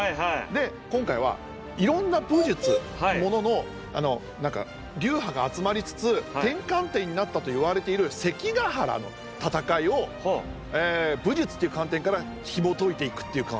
で今回はいろんな武術ってものの流派が集まりつつ転換点になったといわれている関ヶ原の戦いを武術っていう観点からひもといていくっていうか。